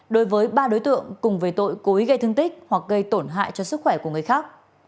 đối với ba đối tượng cùng về tội cố ý gây thương tích hoặc gây tổn hại cho sức khỏe của người khác